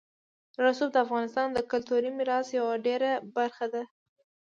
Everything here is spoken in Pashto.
رسوب د افغانستان د کلتوري میراث یوه ډېره مهمه برخه ده.